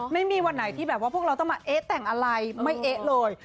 ไม่มีวันไหนที่แบบว่าพวกเราต้องมาเอ๊ะแต่งอะไรไม่เอ๊ะเลย